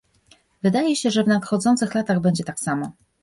Wydaje się, że w nadchodzących latach będzie tak samo